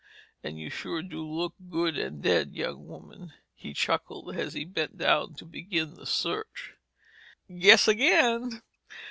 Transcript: And you sure do look good and dead, young woman!" he chuckled as he bent down to begin the search. "Guess again!"